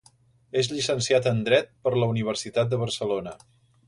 És llicenciat en dret per la Universitat de Barcelona.